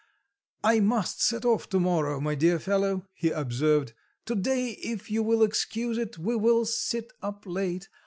"I must set off to morrow, my dear fellow," he observed; "to day if you will excuse it, we will sit up late.